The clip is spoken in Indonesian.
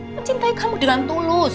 mencintai kamu dengan tulus